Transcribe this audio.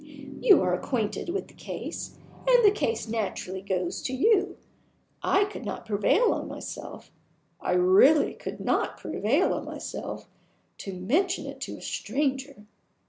You are acquainted with the case, and the case naturally goes to you. I could not prevail on myself I really could not prevail on myself to mention it to a stranger.